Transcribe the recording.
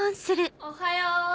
・おはよう！